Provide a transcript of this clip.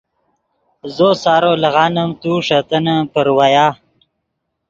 زو سارو لیغانیم تو ݰے تنن پراویا